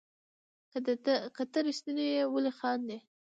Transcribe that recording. که ته ريښتيني يي ولي خاندي